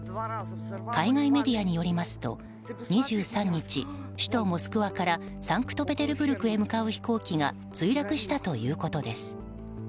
海外メディアによりますと２３日、首都モスクワからサンクトペテルブルクへ向かう飛行機が墜落したということです。